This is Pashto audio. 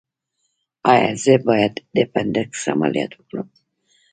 ایا زه باید د اپنډکس عملیات وکړم؟